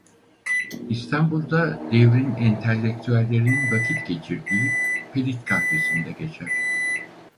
İstanbul'da devrin entelektüellerinin vakit geçirdiği Pelit kahvesinde geçer.